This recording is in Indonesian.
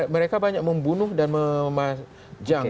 mereka banyak membunuh dan memajang